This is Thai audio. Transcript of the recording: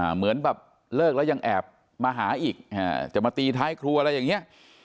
เหมือนแบบเลิกแล้วยังแอบมาหาอีกจะมาตีท้ายครัวอะไรอย่างนี้